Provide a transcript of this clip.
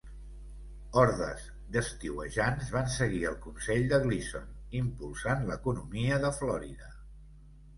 Hordes d'estiuejants van seguir el consell de Gleason, impulsant l'economia de Florida.